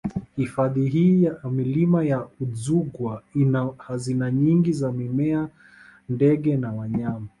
Hifadhi hii ya Milima ya Udzungwa ina hazina nyingi za mimea ndege na wanyama